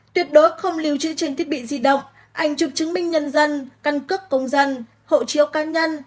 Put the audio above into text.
tuyệt đối không lưu trữ trên thiết bị di động ảnh chụp chứng minh nhân dân căn cước công dân hộ chiếu cá nhân